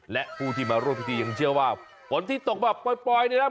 และผู้ที่มาร่วมพิธียังเชื่อว่าฝนที่ตกแบบปล่อยเนี่ยนะ